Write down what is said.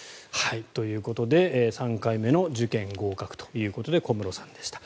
ということで、３回目の受験合格ということで小室さんでした。